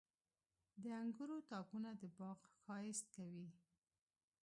• د انګورو تاکونه د باغ ښایست کوي.